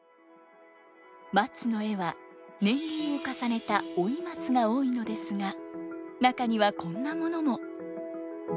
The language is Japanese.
松の絵は年輪を重ねた老松が多いのですが中にはこんなものも。